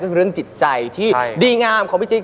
เรื่องจิตใจที่ดีงามของพี่จิ๊ก